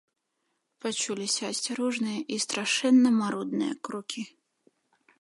Пачуліся асцярожныя і страшэнна марудныя крокі.